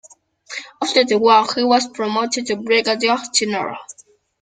After the war he was promoted to brigadier general.